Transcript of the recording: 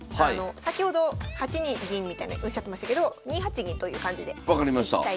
先ほど８二銀みたいなおっしゃってましたけど２八銀という感じで分かりました。